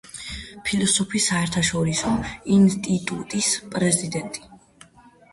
ფილოსოფიის საერთაშორისო ინსტიტუტის პრეზიდენტი.